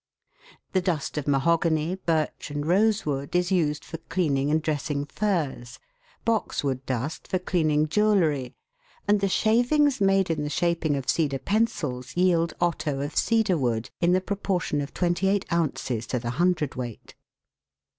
The dust of mahogany, birch, and rosewood, is used for cleaning and dressing furs ; boxwood dust for cleaning jewellery ; and the shavings made in the shaping of cedar pencils yield otto of cedarwood, in the proportion of 28 ounces to the hundredweight.